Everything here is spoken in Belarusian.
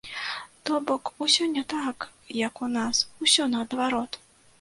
То бок усё не так, як у нас, усё наадварот.